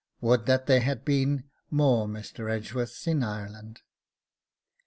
Would that there had been more Mr. Edgeworths in Ireland!